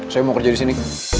saya mau kerja di sini